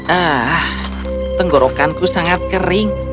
ah tenggorokanku sangat kering